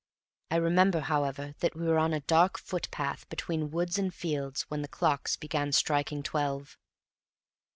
I remember, however, that we were on a dark footpath between woods and fields when the clocks began striking twelve.